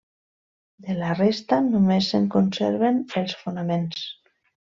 De la resta només se'n conserven els fonaments.